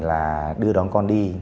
là đưa đón con đi